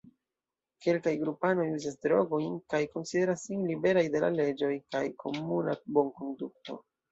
Kelkaj grupanoj uzas drogojn kaj konsideras sin liberaj de la leĝoj kaj komuna bonkonduto.